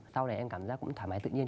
sau này em cảm giác cũng thoải mái tự nhiên